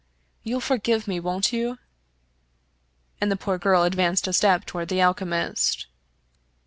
You'll forgive me, won't you ?" And the poor girl advanced a step toward the alchemist.